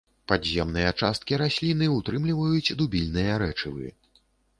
Падземныя часткі расліны ўтрымліваюць дубільныя рэчывы.